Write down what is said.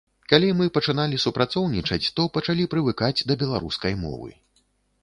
Калі мы пачыналі супрацоўнічаць, то пачалі прывыкаць да беларускай мовы.